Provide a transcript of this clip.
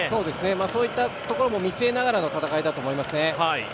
そういったところも見据えながらの戦いだと思いますね。